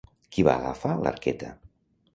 Qui va agafar l'arqueta?